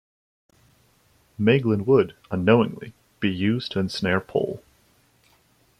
Meiglan would - unknowingly - be used to ensnare Pol.